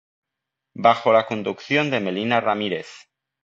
Bajo la conducción de Melina Ramírez.